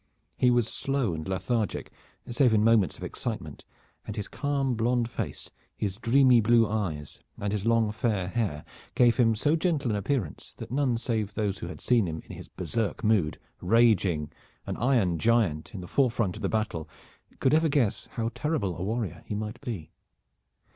He was slow and lethargic, save in moments of excitement, and his calm blond face, his dreamy blue eyes and his long fair hair gave him so gentle an appearance that none save those who had seen him in his berserk mood, raging, an iron giant, in the forefront of the battle, could ever guess how terrible a warrior he might be.